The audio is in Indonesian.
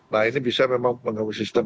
nah ini bisa memang mengganggu sistem